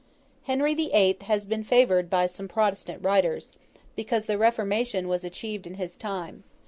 Henry the Eighth has been favoured by some Protestant writers, because the Reformation was achieved in his time.